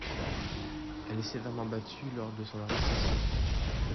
Elle est sévèrement battue lors de son arrestation.